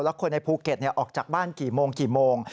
และคนในภูเก็ตออกจากบ้านกี่โมง